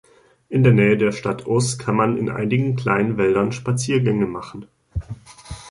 In der Nähe der Stadt Oss kann man in einigen kleinen Wäldern Spaziergänge machen.